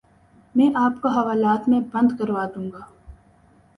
میں آپ کو حوالات میں بند کروا دوں گا